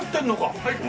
はい。